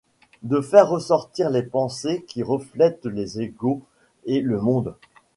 De faire ressortir les pensées qui reflètent les egos et le monde.